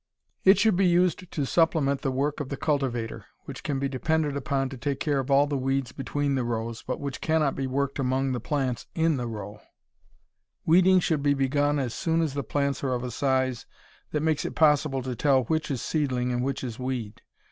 It should be used to supplement the work of the cultivator, which can be depended upon to take care of all the weeds between the rows, but which cannot be worked among the plants in the row. Weeding should be begun as soon as the plants are of a size that makes it possible to tell which is seedling and which is weed.